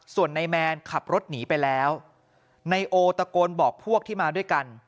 ส่วนนายแมนขับรถหนีไปแล้วนายโอตะโกนบอกพวกที่มาด้วยกัน